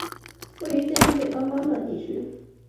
位于现今北方邦的地区。